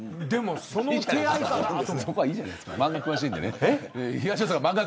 そこはいいじゃないですか。